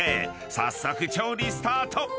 ［早速調理スタート！］